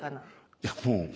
いやもう。